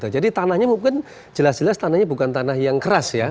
jadi tanahnya mungkin jelas jelas tanahnya bukan tanah yang keras ya